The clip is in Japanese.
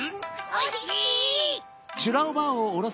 おいしい！